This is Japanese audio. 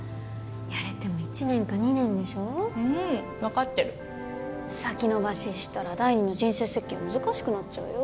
やれても１年か２年でしょうん分かってる先延ばししたら第２の人生設計難しくなっちゃうよ